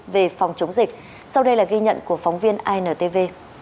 về phòng chống dịch sau đây là ghi nhận của phóng viên intv